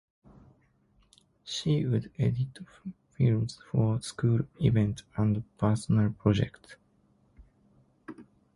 She would edit films for school events and personal projects.